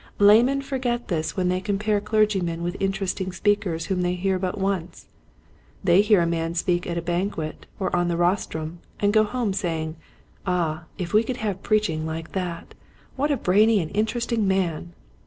Laymen forget this when they compare clergymen with interesting speakers whom they hear but once. They hear a man speak at a banquet or on the rostrum, and go home saying, ^<Ah, if we could have preaching like that ! What a brainy and interesting man